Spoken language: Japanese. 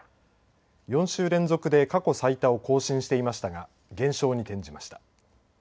４週連続で過去最多を更新していましたが減少に転じました。